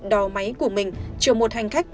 đò máy của mình chờ một hành khách